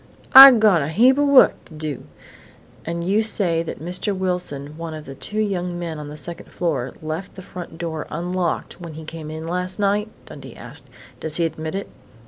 "I gotta heap o' wuk to do " "And you say that Mr. Wilson, one of the two young men on the second floor, left the front door unlocked when he came in last night?" Dundee asked. "Does he admit it?"